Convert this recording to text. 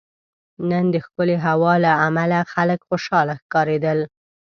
نن دښکلی هوا له عمله خلک خوشحاله ښکاریدل